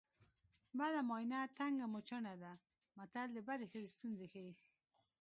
بده ماینه تنګه موچڼه ده متل د بدې ښځې ستونزې ښيي